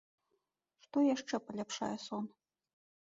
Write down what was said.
Што яшчэ паляпшае сон?